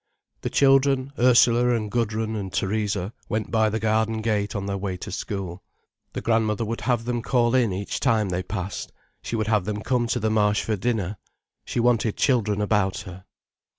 The children, Ursula and Gudrun and Theresa went by the garden gate on their way to school. The grandmother would have them call in each time they passed, she would have them come to the Marsh for dinner. She wanted children about her.